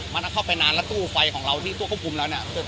มันเข้าไปนานแล้วตู้ไฟของเราที่ตู้ควบคุมแล้วเนี่ย